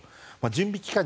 準備期間